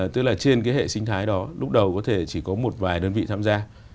tức là trên cái hệ sinh thái đó lúc đầu có thể chỉ có một vài đơn vị tham gia